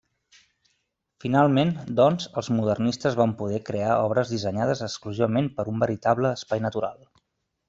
Finalment, doncs, els modernistes van poder crear obres dissenyades exclusivament per un veritable espai natural.